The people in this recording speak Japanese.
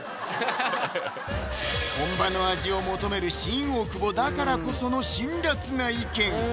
本場の味を求める新大久保だからこその辛辣な意見